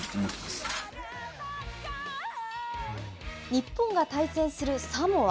日本が対戦するサモア。